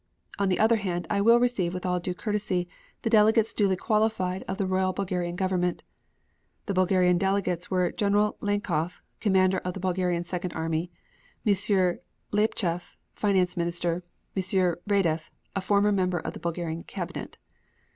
On the other hand, I will receive with all due courtesy the delegates duly qualified of the Royal Bulgarian Government." The Bulgarian delegates were General Lonkhoff, commander of the Bulgarian Second Army, M. Liapcheff, Finance Minister, and M. Radeff, a former member of the Bulgarian Cabinet.